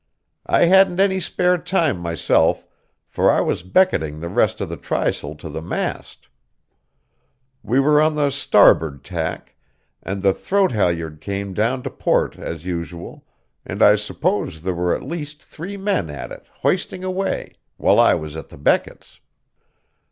I hadn't any spare time myself, for I was becketing the rest of the trysail to the mast. We were on the starboard tack, and the throat halliard came down to port as usual, and I suppose there were at least three men at it, hoisting away, while I was at the beckets.